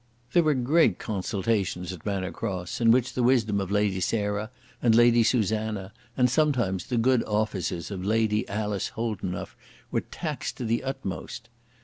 There were great consultations at Manor Cross, in which the wisdom of Lady Sarah and Lady Susanna, and sometimes the good offices of Lady Alice Holdenough were taxed to the utmost.